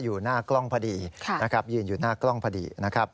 อยู่หน้ากล้องพอดีนะครับยืนอยู่หน้ากล้องพอดีนะครับ